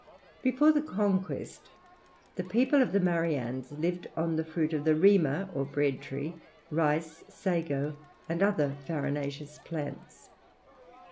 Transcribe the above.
Before the conquest, the people of the Mariannes lived on the fruit of the rima or bread tree, rice, sago, and other farinaceous plants.